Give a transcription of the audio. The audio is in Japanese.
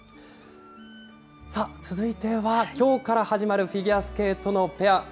さあ、続いては、きょうから始まるフィギュアスケートのペア。